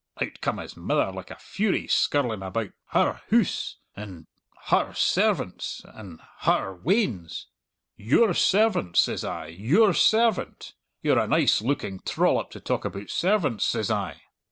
Out come his mither like a fury, skirling about her hoose, and her servants, and her weans. 'Your servant!' says I 'your servant! You're a nice looking trollop to talk aboot servants,' says I."